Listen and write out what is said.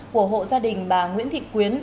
của hộ gia đình bà nguyễn thị quyến